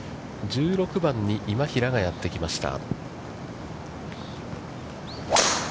１６番に今平がやってきました。